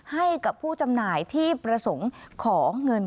ให้กับผู้จำหน่ายที่ประสงค์ขอเงิน